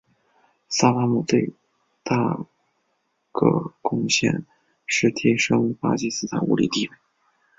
萨拉姆最大个贡献是提升巴基斯坦物理地位。